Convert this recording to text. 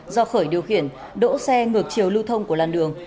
do khởi điều khiển đỗ xe ngược chiều lưu thông của làn đường